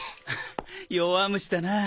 弱虫だなあ。